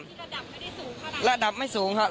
มีระดับสูงประทะครับ